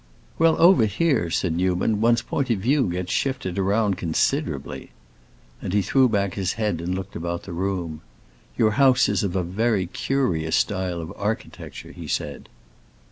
"Well, over here," said Newman, "one's point of view gets shifted round considerably." And he threw back his head and looked about the room. "Your house is of a very curious style of architecture," he said.